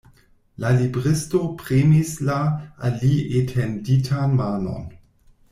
La libristo premis la al li etenditan manon.